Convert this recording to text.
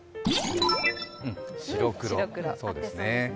白黒、そうですね。